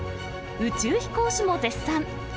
宇宙飛行士も絶賛。